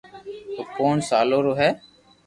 او پونچ سالو رو ھي